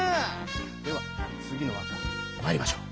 ではつぎの和歌にまいりましょう。